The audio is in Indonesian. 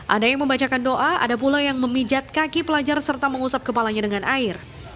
ada yang membacakan doa ada pula yang memijat kaki pelajar serta mengusap kepalanya dengan air